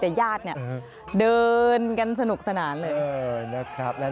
แต่ญาติเดินกันสนุกสนานเลย